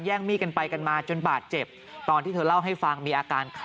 มีดกันไปกันมาจนบาดเจ็บตอนที่เธอเล่าให้ฟังมีอาการ